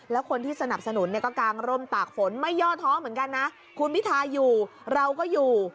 แล้วคนที่สนับสนุนเนี่ยก็กางร่มตากฝนไม่ย่อท้อเหมือนกันนะคุณพิทาอยู่เราก็อยู่